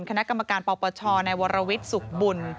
คณะกรรมการปปชในวรวิทย์สุขบุญ